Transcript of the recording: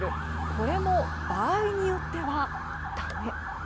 これも、場合によってはだめ。